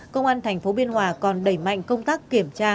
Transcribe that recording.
công an tp biên hòa còn đẩy mạnh công tác kiểm tra